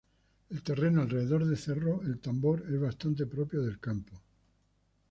El terreno alrededor de Cerro El Tambor es bastante propio del campo.